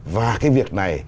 và cái việc này